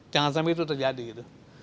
jangan sampai itu terjadi gitu